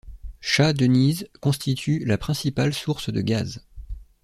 Shah Deniz constitue la principale source de gaz.